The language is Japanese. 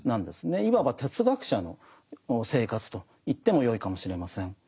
いわば哲学者の生活と言ってもよいかもしれません。